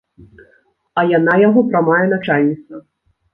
А яна яго прамая начальніца.